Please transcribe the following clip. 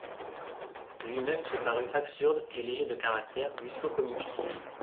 Lui-même se parut absurde et léger de caractère, jusqu'au comique.